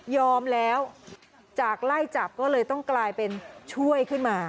แล้วจากไล่จับก็เลยต้องกลายเป็นช่วยขึ้นมา